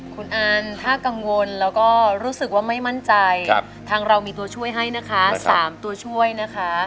คุณอันถ้ากังวลแล้วก็รู้สึกว่าไม่มั่นใจทางเรามีตัวช่วยให้นะคะ๓ตัวช่วยนะคะ